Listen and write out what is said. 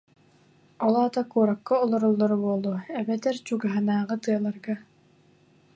Ол аата куоракка олороллоро буолуо эбэтэр чугаһынааҕы тыаларга